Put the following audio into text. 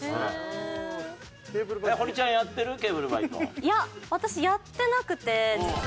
いや私やってなくて実は。